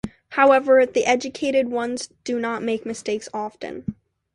However, the educated ones do not make mistakes often.